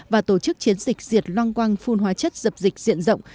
và tổ chức chiến dịch diệt loang quang phun hóa chất dập dịch diện rộng